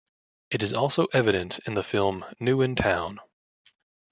It is also evident in the film "New in Town".